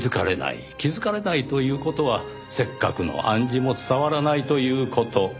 気づかれないという事はせっかくの暗示も伝わらないという事。